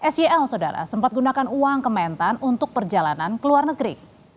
sel saudara sempat gunakan uang kementan untuk perjalanan ke luar negeri